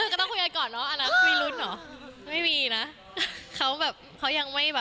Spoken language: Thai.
ขอแต่งงานไง